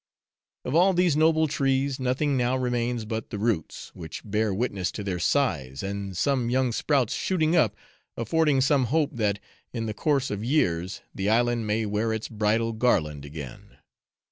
Of all these noble trees nothing now remains but the roots, which bear witness to their size, and some young sprouts shooting up, affording some hope that, in the course of years, the island may wear its bridal garland again.